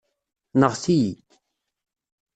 Nɣet-iyi.